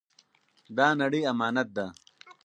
دا نړۍ امانت ده.